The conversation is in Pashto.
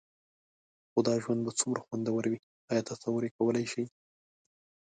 خو دا ژوند به څومره خوندور وي؟ ایا تصور یې کولای شئ؟